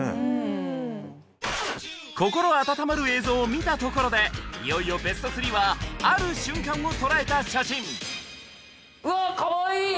心温まる映像を見たところでいよいよベスト３はある瞬間を捉えた写真わっかわいい！